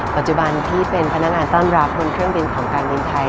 ปัจจุบันที่เป็นพนักงานต้อนรับบนเครื่องบินของการบินไทย